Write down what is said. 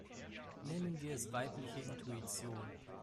Nennen wir es weibliche Intuition.